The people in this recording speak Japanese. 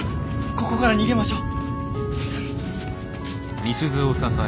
ここから逃げましょう！